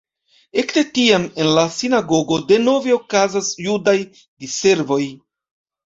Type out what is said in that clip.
Ekde tiam en la sinagogo denove okazas judaj diservoj.